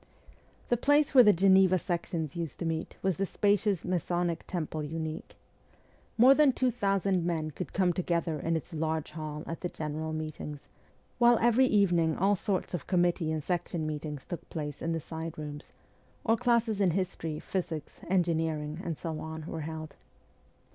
The place where the Geneva sections used to meet was the spacious Masonic Temple Unique. More than two thousand men could come together in its large hall at the general meetings, while every evening all sorts of committee and section meetings took place in the side rooms, or classes in history, physics, engineer ing, and so on, w r ere held.